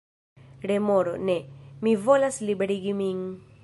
Remoro: "Ne. Mi volas liberigi min!"